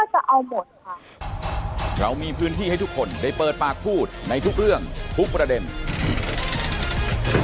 ใช่ค่ะหนูไม่ได้ว่าจะเอาหมดค่ะ